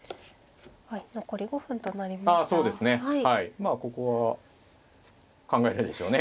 まあここは考えるでしょうね。